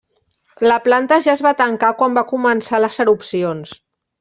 La planta ja es va tancar quan va començar les erupcions.